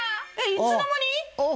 いつの間に？